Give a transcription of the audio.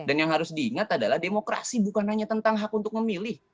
dan yang harus diingat adalah demokrasi bukan hanya tentang hak untuk memilih